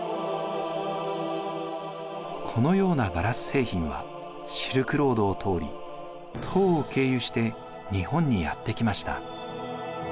このようなガラス製品はシルクロードを通り唐を経由して日本にやって来ました。